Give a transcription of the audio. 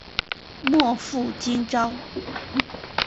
莫负今朝！